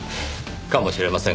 かもしれません